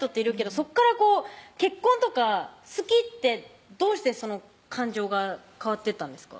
そっから結婚とか好きってどうしてその感情が変わってったんですか？